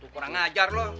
kurang ngajar loh